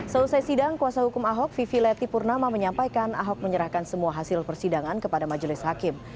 selesai sidang kuasa hukum ahok vivi leti purnama menyampaikan ahok menyerahkan semua hasil persidangan kepada majelis hakim